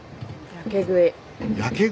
やけ食い？